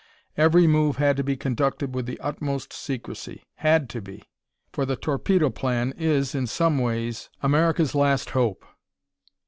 Every move had to be conducted with the utmost secrecy. Had to be! For the Torpedo Plan is, in some ways, America's last hope.